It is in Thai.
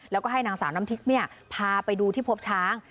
แล้วก็ให้นางสาวน้ำทิพย์พาไปดูที่พบช้าง